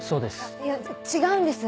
いや違うんです。